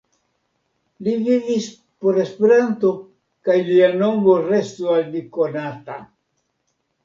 Li vivis por Esperanto, kaj lia nomo restu al ni konata!